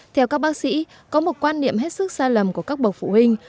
theo các bác sĩ có một quan niệm hết sức sai lầm của các bậc phụ huynh